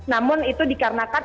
namun itu dikarenakan